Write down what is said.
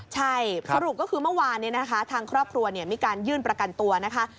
ใช่สรุปก็คือเมื่อวานนี้นะคะทางครอบครัวมีการยื่นประกันตัวนะคะ